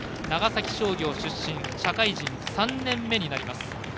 長崎商業出身社会人３年目になります。